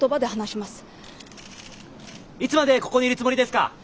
いつまでここにいるつもりですか？